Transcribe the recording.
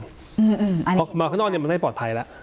แต่ออกมาข้างนอกมันก็ไม่ปลอดภัยล่ะ